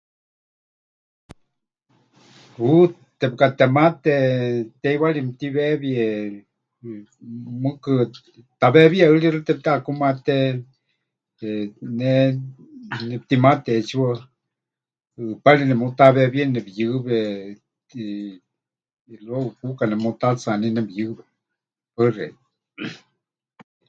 Hɨ, tepɨkatemate teiwari mɨtiweewie, eh, mɨɨkɨ, taweewiya rixɨ́a tepɨteʼakumaté, eh, ne nepɨtimate ʼetsiwa, ʼɨpari nemutaweewíeni nepɨyɨwe y luego kuuka nemutatsaaní nepɨyɨwe. Paɨ xeikɨ́a, ejem.